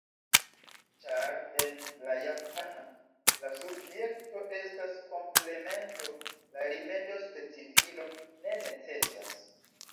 Ĉar, en la japana, la subjekto estas komplemento, la rimedo specifilo ne necesas.